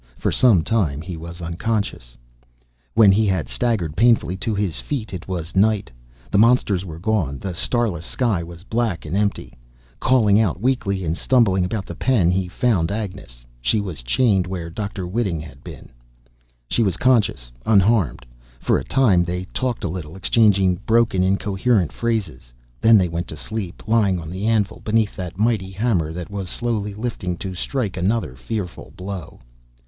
For some time he was unconscious. When he had staggered painfully to his feet, it was night. The monsters were gone; the starless sky was black and empty. Calling out weakly, and stumbling about the pen, he found Agnes. She was chained where Dr. Whiting had been. She was conscious, unharmed. For a time they talked a little, exchanging broken, incoherent phrases. Then they went to sleep, lying on the anvil, beneath that mighty hammer that was slowly lifting to strike another fearful blow.